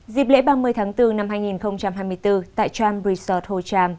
dịp lễ ba mươi tháng bốn năm hai nghìn hai mươi bốn tại tram resort hồ tram